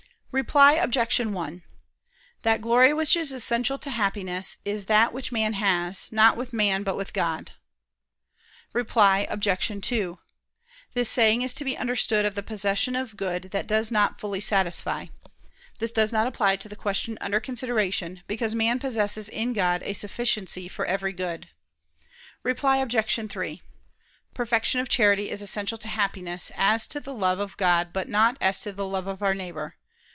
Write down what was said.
Reply Obj. 1: That glory which is essential to Happiness, is that which man has, not with man but with God. Reply Obj. 2: This saying is to be understood of the possession of good that does not fully satisfy. This does not apply to the question under consideration; because man possesses in God a sufficiency of every good. Reply Obj. 3: Perfection of charity is essential to Happiness, as to the love of God, but not as to the love of our neighbor.